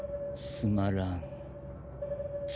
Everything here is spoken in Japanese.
つまらん。